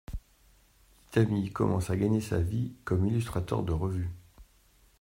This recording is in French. Itami commence à gagner sa vie comme illustrateur de revues.